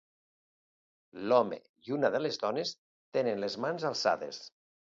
L'home i una de les dones tenen les mans alçades.